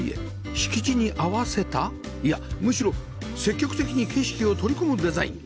敷地に合わせたいやむしろ積極的に景色を取り込むデザイン